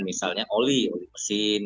misalnya oli oli pesin